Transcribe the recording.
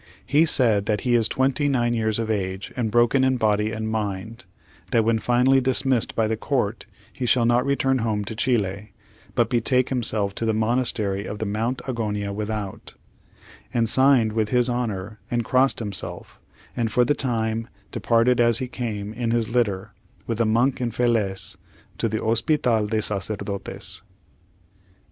He said that he is twenty nine years of age, and broken in body and mind; that when finally dismissed by the court, he shall not return home to Chili, but betake himself to the monastery on Mount Agonia without; and signed with his honor, and crossed himself, and, for the time, departed as he came, in his litter, with the monk Infelez, to the Hospital de Sacerdotes.